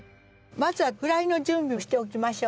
まずはフライの準備をしておきましょう。